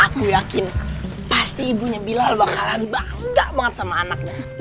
aku yakin pasti ibunya bilal bakalan bangga banget sama anaknya